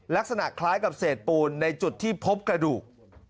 ลักษณะคล้ายกับเศษปูนในจุดที่พบกระดูก